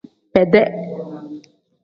Bedee.